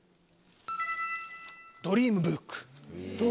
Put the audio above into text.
ドリームブック？